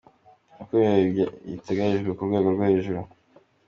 Ibi birori byitabiriwe ku rwego rwo hejuru.